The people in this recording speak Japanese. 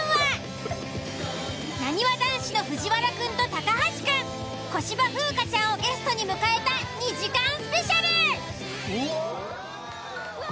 なにわ男子の藤原くんと高橋くん小芝風花ちゃんをゲストに迎えた２時間ＳＰ。